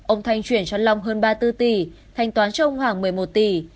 ông thanh chuyển cho long hơn ba tư tỷ thanh toán cho ông hoàng một mươi một tỷ